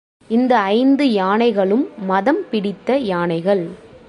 இந்த ஐந்து யானைகளும் மதம் பிடித்த யானைகள்.